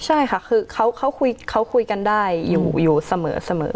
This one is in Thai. ใช่ค่ะคือเขาคุยกันได้อยู่เสมอ